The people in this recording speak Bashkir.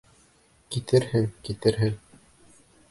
Китерһең, китерһең!